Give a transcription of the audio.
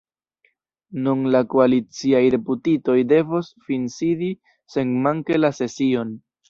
Nun la koaliciaj deputitoj devos finsidi senmanke la sesion.